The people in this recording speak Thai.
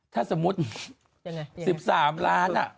ถ้าสมมุติ๑๓ล้าน